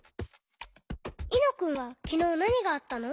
いのくんはきのうなにがあったの？